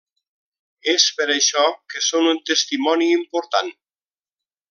És per això que són un testimoni important.